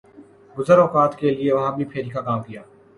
گزر اوقات کیلئے وہاں بھی پھیر ی کاکام کیا۔